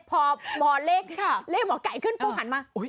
พอหมอเล็กเล็กหมอกไก่ขึ้นคงหันมา